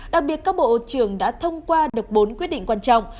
đặc biệt các bộ trưởng đã thông qua được bốn quyết định quan trọng